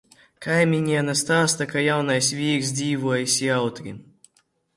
Kaimiņiene stāsta, ka jaunais vīrs dzīvojis jautri.